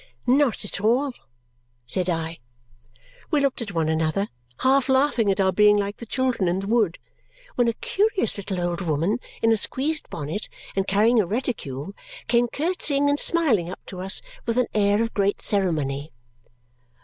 "Not at all!" said I. We looked at one another, half laughing at our being like the children in the wood, when a curious little old woman in a squeezed bonnet and carrying a reticule came curtsying and smiling up to us with an air of great ceremony.